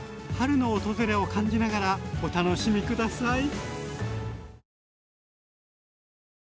春の訪れを感じながらお楽しみ下さい！